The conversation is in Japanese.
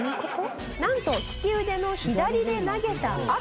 なんと利き腕の左で投げたあと。